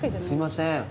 すいません。